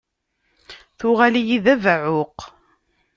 Tuɣal-iyi d abeɛɛuq.